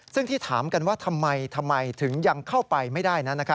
ซึ่งที่ถามกันว่าทำไมถึงยังเข้าไปไม่ได้นั้น